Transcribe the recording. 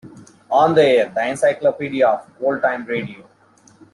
"On the Air: The Encyclopedia of Old-Time Radio".